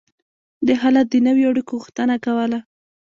دې حالت د نویو اړیکو غوښتنه کوله.